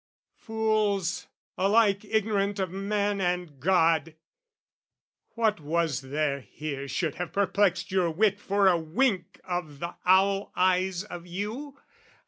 Fools, alike ignorant of man and God! What was there here should have perplexed your wit For a wink of the owl eyes of you?